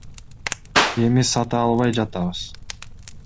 Эми сата албай жатабыз.